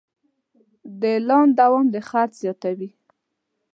د اعلان دوام د خرڅ زیاتوي.